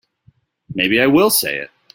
Maybe I will say it.